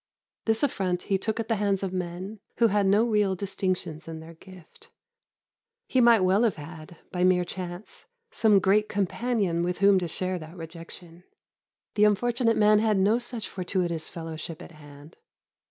This affront he took at the hands of men who had no real distinctions in their gift. He might well have had, by mere chance, some great companion with whom to share that rejection. The unfortunate man had no such fortuitous fellowship at hand.